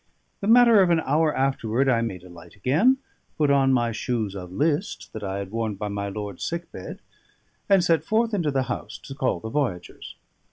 The matter of an hour afterward I made a light again, put on my shoes of list that I had worn by my lord's sick bed, and set forth into the house to call the voyagers.